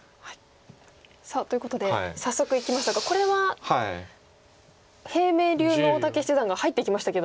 さあということで早速いきましたがこれは平明流の大竹七段が入っていきましたけど。